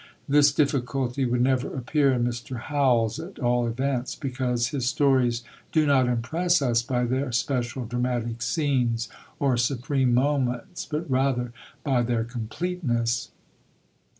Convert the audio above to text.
This difficulty would never appear in Mr. Howells, at all events; because his stories do not impress us by their special dramatic scenes, or supreme moments, but rather by their completeness.